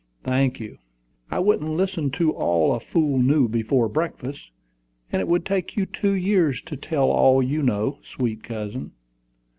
"Thank you." "I wouldn't listen to all a fool knew before breakfast; and it would take you two years to tell all you know, sweet cousin."